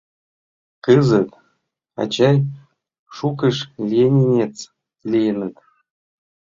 Кызыт, ачай, шукышт «ленинец» лийыныт.